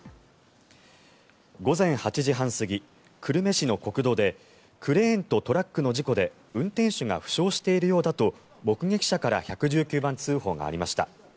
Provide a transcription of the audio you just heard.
午前８時半過ぎ久留米市の国道でクレーンとトラックの事故で運転手が負傷しているようだと目撃者から１１９番通報がありました。